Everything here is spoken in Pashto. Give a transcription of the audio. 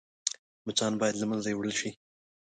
مچان باید له منځه يوړل شي